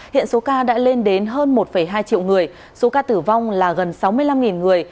hiện số ca đã lên đến hơn một hai triệu người số ca tử vong là gần sáu mươi năm người